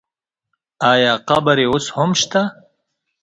آیا قبر یې اوس هم شته؟